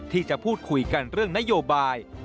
ที่จะพูดคุยกันเรื่องนโยบาย